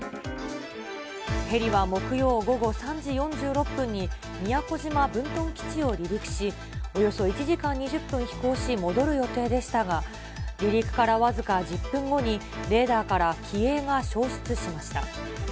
ヘリは木曜午後３時４６分に宮古島分屯基地を離陸し、およそ１時間２０分飛行し、戻る予定でしたが、離陸から僅か１０分後に、レーダーから機影が消失しました。